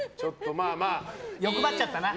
欲張っちゃったな。